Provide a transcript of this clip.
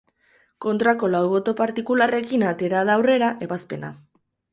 Kontrako lau boto partikularrekin atera da aurrera ebazpena.